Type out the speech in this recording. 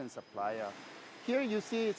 di sini anda melihat